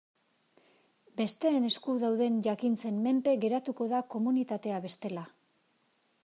Besteen esku dauden jakintzen menpe geratuko da komunitatea bestela.